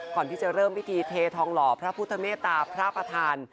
ก่อนที่จะเริ่มพิธีเททองหล่อพระพุทธเมตตาพระประธาน